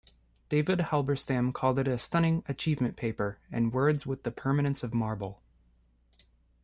David Halberstam called it A stunning achievement-paper and words with the permanence of marble.